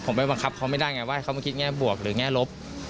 ผมไปบังคับเขาไม่ได้ไงว่าให้เขามาคิดแง่บวกหรือแง่ลบ